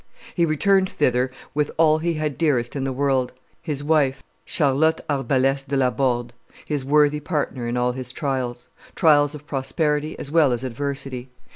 He returned thither with all he had dearest in the world, his wife, Charlotte Arbaleste de la Borde, his worthy partner in all his trials trials of prosperity as well as adversity.